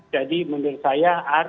jadi menurut saya